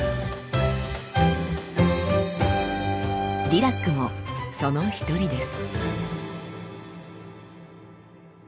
ディラックもその一人です。